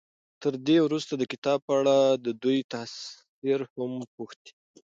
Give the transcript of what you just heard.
تر دې وروسته د کتاب په اړه د دوی تأثر هم پوښتئ.